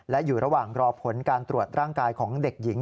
และอยู่ระหว่างรอผลการตรวจร่างกายของเด็กหญิง